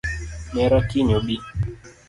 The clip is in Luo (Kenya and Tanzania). Nera kiny obi